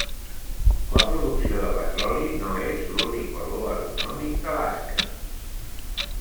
La producció de petroli no és l'únic valor econòmic d'Alaska.